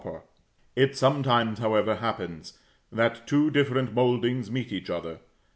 It sometimes, however, happens, that two different mouldings meet each other.